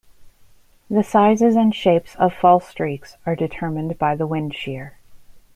The sizes and shapes of fall streaks are determined by the wind shear.